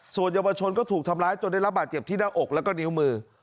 ส่วนเยาวชนก็ถูกทำร้ายจนได้รับบาดเจ็บที่หน้าอกแล้วก็นิ้วมือ